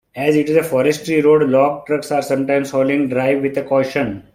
As it is a forestry road, log trucks are sometimes hauling, drive with caution.